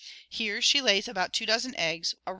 Here she lays about two dozen eggs, Fie. a.